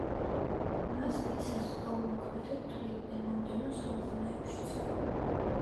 მას დიდ სასწაულმოქმედად თვლიდნენ მომდევნო საუკუნეებშიც.